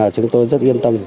chúng tôi rất yên tâm